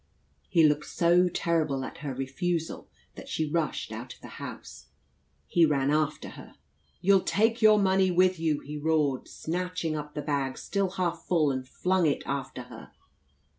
He looked so terrible at her refusal, that she rushed out of the house. He ran after her. "You'll take your money with you," he roared, snatching up the bag, still half full, and flung it after her.